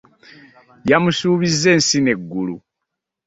Yamusubizza ensi n'eggulu.